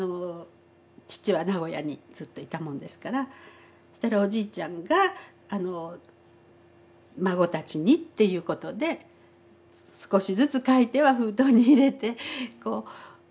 父は名古屋にずっといたもんですからそしたらおじいちゃんが孫たちにっていうことで少しずつ書いては封筒に入れてこう送ってきて。